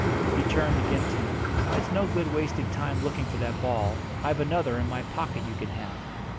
He turned again to me. "It's no good wasting time looking for that ball. I've another in my pocket you can have."